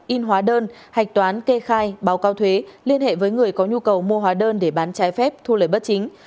in hóa đơn hạch toán kê khai báo cao thuế liên hệ với người có nhu cầu mua hóa đơn để bán trái phép thu lời bất chính